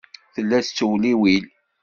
Tella tettewliwil.